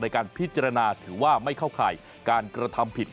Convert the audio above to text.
การพิจารณาถือว่าไม่เข้าข่ายการกระทำผิด